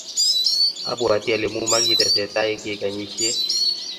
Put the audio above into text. abwoti ale mumakitesetai kekanyisiei